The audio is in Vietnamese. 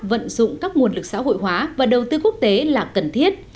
vận dụng các nguồn lực xã hội hóa và đầu tư quốc tế là cần thiết